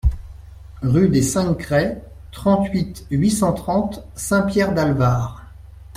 Rue des cinq Crêts, trente-huit, huit cent trente Saint-Pierre-d'Allevard